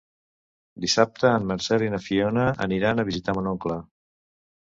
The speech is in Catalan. Dissabte en Marcel i na Fiona aniran a visitar mon oncle.